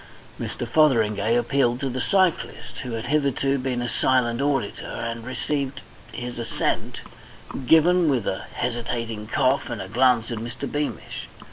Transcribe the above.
Mr. Fotheringay appealed to the cyclist, who had hitherto been a silent auditor, and received his assent given with a hesitating cough and a glance at Mr. Beamish.